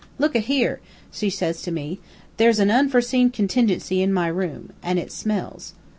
"'Look a here,' she says to me, 'there's a unforeseen contingency in my room. An' it smells.'